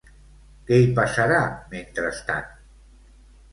Què hi passarà mentrestant?